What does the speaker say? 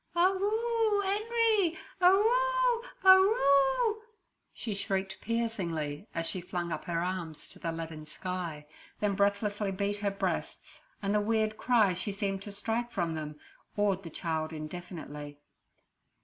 'Arroo'Enery! arroo, arroo!' she shrieked piercingly as she flung up her arms to the leaden sky, then breathlessly beat her breasts, and the weird cry she seemed to strike from them awed the child indefinitely.